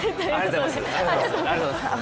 ありがとうございます。